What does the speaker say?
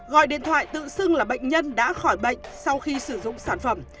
gọi điện thoại tự xưng là bệnh nhân đã khỏi bệnh sau khi sử dụng sản phẩm